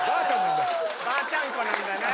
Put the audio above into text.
ばあちゃん子なんだね。